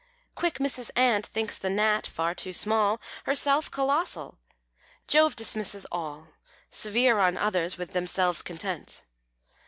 Quick Mrs. Ant thinks the Gnat far too small, Herself colossal. Jove dismisses all, Severe on others, with themselves content.